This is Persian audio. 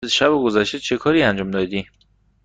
شب گذشته چه کاری انجام دادی؟